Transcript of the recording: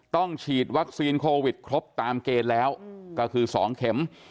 ฉีดวัคซีนโควิดครบตามเกณฑ์แล้วก็คือ๒เข็ม